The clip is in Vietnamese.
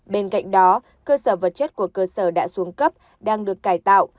bên cạnh đó cơ sở vật chất của cơ sở đã xuống cấp đang được cải tạo